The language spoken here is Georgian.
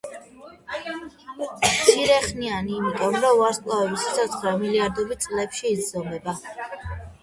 მცირეხნიანი იმიტომ, რომ ვარსკვლავების სიცოცხლე მილიარდობით წლებში იზომება.